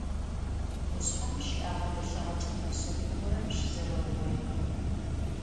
Къушъхьэм щыӏэ гъэбылъыгъэ чӏыпӏэ шъэф горэм щызэрэугъоигъэх.